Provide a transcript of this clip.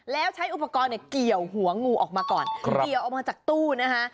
แล้วใช้อุปกรณ์เนี่ยเกี่ยวหัวงูออกมาก่อนเกี่ยวออกมาจากตู้นะคะ